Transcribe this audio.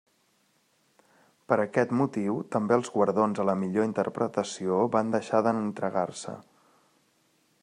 Per aquest motiu, també els guardons a la millor interpretació van deixar d'entregar-se.